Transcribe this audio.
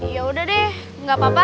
ya udah deh nggak apa apa